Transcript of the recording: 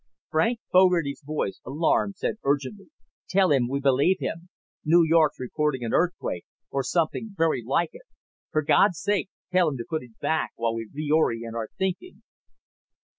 Frank Fogarty's voice, alarmed, said urgently, "Tell him we believe him. New York's reporting an earthquake, or something very like it. For God's sake tell him to put it back while we reorient our thinking."